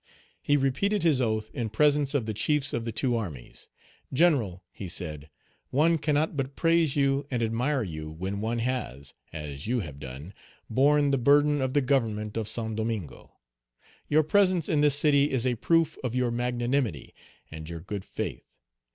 He repeated his oath in presence of the chiefs of the two armies. "General," he said, "one cannot but praise you and admire you when one has, as you have Page 212 done, borne the burden of the government of Saint Domingo. Your presence in this city is a proof of your magnanimity and your good faith.